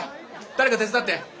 誰か手伝って。